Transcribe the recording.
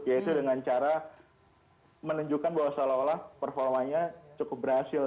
yaitu dengan cara menunjukkan bahwa seolah olah performanya cukup berhasil